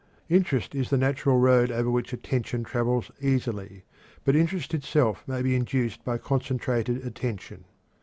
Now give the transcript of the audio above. Interest is the natural road over which attention travels easily, but interest itself may be induced by concentrated attention.